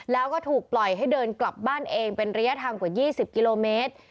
แล้วก็ถูกปล่อยให้เดินกลับบ้านเองเป็นระยะทางกว่า๒๐กิโลเมตร